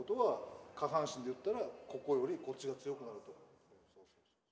下半身で言ったらここよりこっちが強くなると。